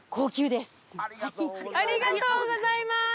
ありがとうございます。